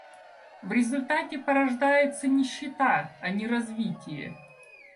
В результате порождается нищета, а не развитие.